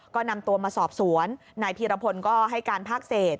ก็นำตัวมาสอบสวนนายพีรพลก็ให้การภาคเศษ